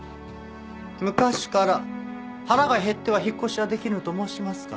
昔から腹が減っては引っ越しはできぬと申しますから。